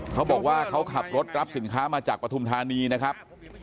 เขาบอกว่าเขาขับรถรับสินค้ามาจากปฐุมธานีนะครับ